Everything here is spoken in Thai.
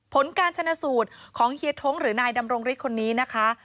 ผลการชนะสูตรของเฮียท้งหรือนายดำรงฤทธิ์คนนี้นะคะ